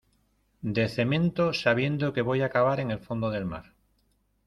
de cemento sabiendo que voy a acabar en el fondo del mar